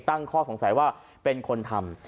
ตั้งข้อสงสัยว่าเป็นคนทำ